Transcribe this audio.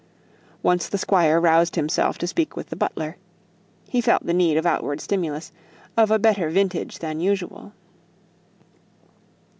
Once the Squire roused himself to speak to the butler; he felt the need of outward stimulus of a better vintage than usual.